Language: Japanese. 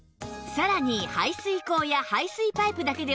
さらに排水口や排水パイプだけではありません